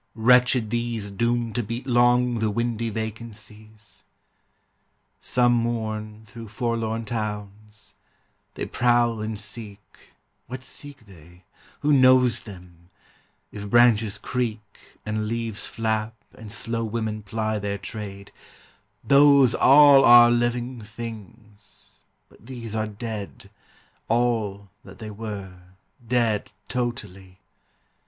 Wretched these Doomed to beat long the windy vacancies ! Some mourn through forlorn towns. They prowl and seek ŌĆö What seek they? Who knows them? If branches creak And leaves flap and slow women ply their trade, Those all are living things, but these are dead, All that they were, dead totally.